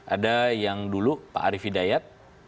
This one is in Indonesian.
ada yang dulu pak arief hidayat